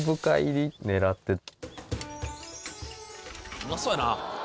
「うまそうやな！」